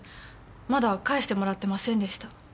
まだ返してもらってませんでした。